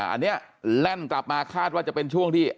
อันนี้แล่นกลับมาคาดว่าจะเป็นช่วงที่